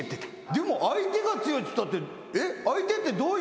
でも相手が強いっつったって。